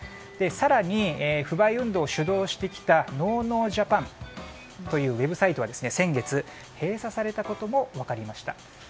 更に、不買運動を主導してきたノーノージャパンというウェブサイトは、先月閉鎖されたことも分かりました。